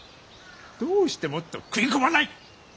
どうしてもっと食い込まない！